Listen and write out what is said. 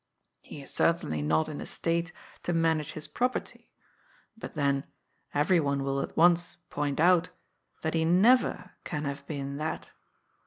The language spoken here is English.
He is certainly not in a state to manage his property. But then, everyone will at once point out that he never can have been that.